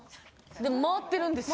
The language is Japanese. でも、回ってるんですよ。